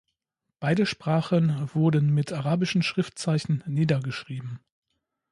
Beide Sprachen wurden mit arabischen Schriftzeichen niedergeschrieben.